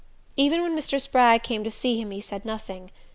Even when Mr. Spragg came to see him he said nothing.